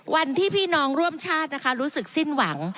วันที่พี่น้องร่วมชาตินะคะรู้สึกสิ้นหวัง